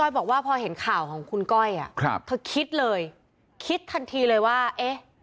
บอกว่าพอเห็นข่าวของคุณก้อยอ่ะครับเธอคิดเลยคิดทันทีเลยว่าเอ๊ะ